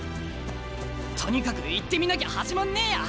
とにかく行ってみなきゃ始まんねえや。